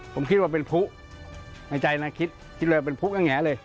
ผมคิดว่าเป็นผู้ในใจนะคิดคิดเลยเป็นผู้แง่เลย